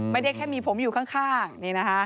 ไม่ได้แค่มีผมอยู่ข้างนี่นะคะ